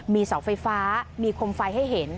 มีเสาไฟฟ้ามีคมไฟให้เห็น